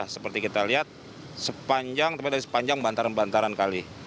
seperti kita lihat sepanjang bantaran bantaran kali